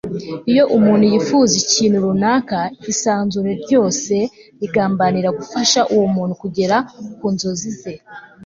iyo umuntu yifuza ikintu runaka, isanzure ryose rigambanira gufasha uwo muntu kugera ku nzozi ze